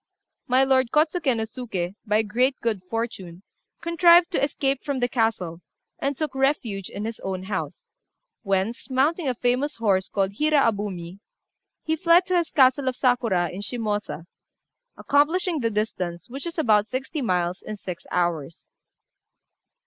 My lord Kôtsuké no Suké, by great good fortune, contrived to escape from the castle, and took refuge in his own house, whence, mounting a famous horse called Hira Abumi, he fled to his castle of Sakura, in Shimôsa, accomplishing the distance, which is about sixty miles, in six hours.